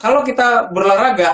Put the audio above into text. kalau kita berlaga